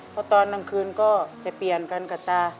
เพราะตอนกลางคืนก็จะเปลี่ยนกันกับตา